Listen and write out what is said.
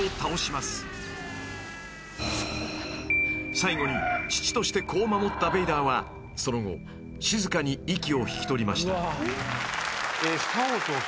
［最期に父として子を守ったベイダーはその後静かに息を引き取りました］